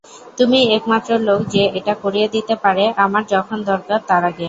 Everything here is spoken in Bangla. তুমিই একমাত্র লোক যে এটা করিয়ে দিতে পারে আমার যখন দরকার তার আগে।